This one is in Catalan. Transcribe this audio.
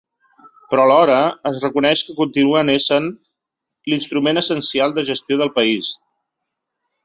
Però alhora es reconeix que continuen essent l’instrument essencial de gestió del país.